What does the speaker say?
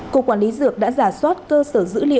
cục quản lý dược đã giả soát cơ sở dữ liệu